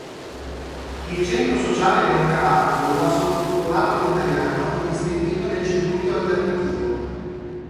Il Centro Sociale Leoncavallo lo ha sottotitolato in italiano e distribuito nel circuito alternativo.